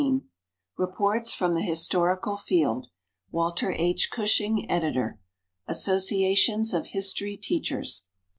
] Reports from the Historical Field WALTER H. CUSHING, Editor. Associations of History Teachers.